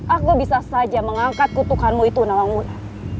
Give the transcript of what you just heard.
aku bisa saja mengangkat kutukanmu itu nalang mula